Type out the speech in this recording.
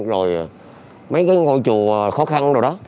rồi mấy ngôi chùa khó khăn rồi đó